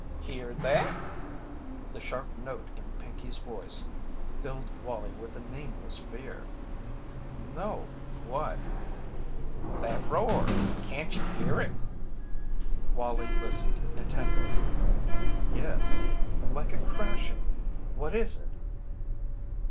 "Hear that?" The sharp note in Pinkey's voice filled Wallie with a nameless fear. "No what?" "That roar can't you hear it?" Wallie listened intently. "Yes like a crashing what is it?"